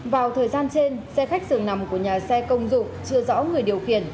vào thời gian trên xe khách dường nằm của nhà xe công dụng chưa rõ người điều khiển